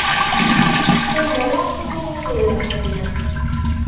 Umreɣ imi ay rebḥen.